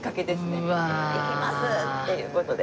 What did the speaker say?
「行きます！」っていう事で。